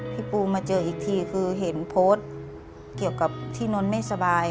พี่ปูมาเจออีกทีคือเห็นโพสต์เกี่ยวกับที่นนท์ไม่สบาย